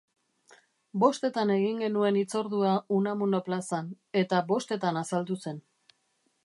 Bostetan egin genuen hitzordua Unamuno plazan, eta bostetan azaldu zen.